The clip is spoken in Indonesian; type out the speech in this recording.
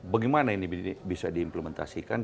bagaimana ini bisa diimplementasikan